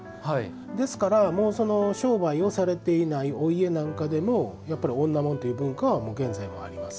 ですから、商売をされていないお家なんかでもやっぱり女紋という文化は現在もあります。